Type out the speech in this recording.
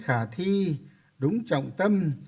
khả thi đúng trọng tâm